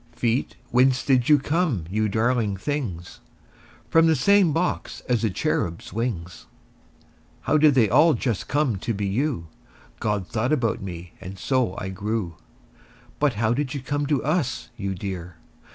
Feet, whence did you come, you darling things? From the same box as the cherubs' wings. How did they all just come to be you? God thought about me, and so I grew. But how did you come to us, you dear?